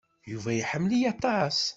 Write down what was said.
Yuba iḥemmel-iyi aṭas.